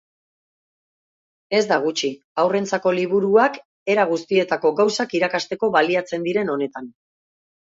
Ez da gutxi, haurrentzako liburuak era guztietako gauzak irakasteko baliatzen diren honetan.